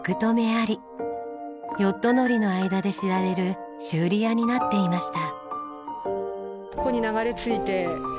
ヨット乗りの間で知られる修理屋になっていました。